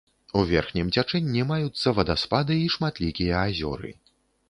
У верхнім цячэнні маюцца вадаспады і шматлікія азёры.